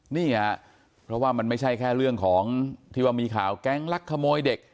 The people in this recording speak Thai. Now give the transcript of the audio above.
เนี่ยเพราะว่ามันไม่ใช่แค่เรื่องของที่ว่ามีข่าวแก๊งลักขโมยเด็ก